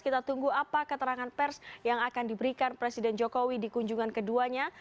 kita tunggu apa keterangan pers yang akan diberikan presiden jokowi di kunjungan keduanya